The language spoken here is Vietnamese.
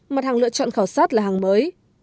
mặt hàng lựa chọn khảo sát là hàng mới